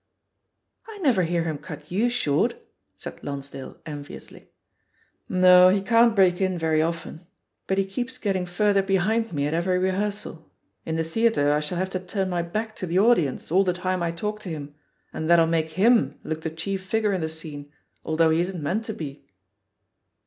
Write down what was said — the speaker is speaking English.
'^ "I never hear him cut yow short," said Lons dale enviously. "No, he can't break in very often, but he keeps getting further behind me at every rehearsal — in the theatre I shall have to turn my back to the audience all the time I talk to him, and that'll make him look the chief figure in the scene, al though he isn't meant to be."